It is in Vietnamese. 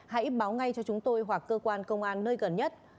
hãy báo ngay cho chúng tôi hoặc cơ quan công an nơi gần nhất